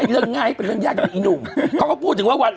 เรื่องง่ายเป็นเรื่องยากอย่างอีหนุ่มเขาก็พูดถึงว่าวัน